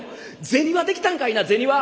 銭はできたんかいな銭は！」。